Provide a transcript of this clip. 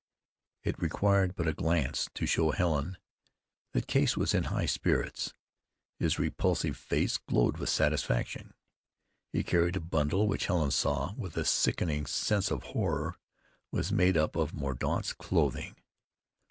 It required but a glance to show Helen that Case was in high spirits. His repulsive face glowed with satisfaction. He carried a bundle, which Helen saw, with a sickening sense of horror, was made up of Mordaunt's clothing.